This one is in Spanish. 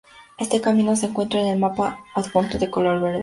Este camino se encuentra en el mapa adjunto de color verde.